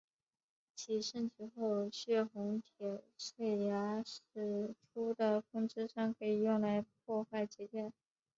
其升级后血红铁碎牙使出的风之伤可以用来破坏结界。